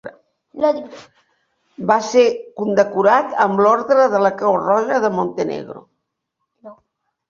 Va ser condecorat amb l'ordre de la Creu Roja de Montenegro.